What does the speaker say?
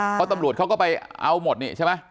เพราะตำรวจเขาก็ไปเอาหมดนี่ใช่ไหม